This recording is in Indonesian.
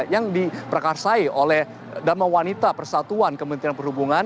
yang diperakarsai oleh drama wanita persatuan kementerian perhubungan